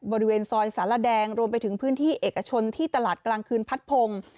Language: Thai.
บริเวณซอยสารแดงรวมไปถึงพื้นที่เอกชนที่ตลาดกลางคืนพัดพงศ์